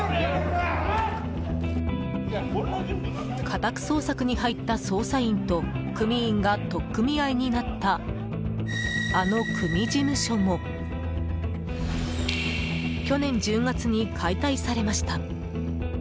家宅捜索に入った捜査員と組員が取っ組み合いになったあの組事務所も去年１０月に解体されました。